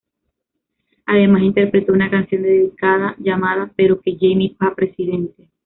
Además interpretó una canción dedicada llamada "Pero que Jaime pa’ presidente".